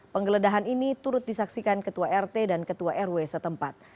penggeledahan ini turut disaksikan ketua rt dan ketua rw setempat